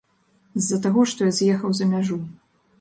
З-за таго, што я з'ехаў за мяжу.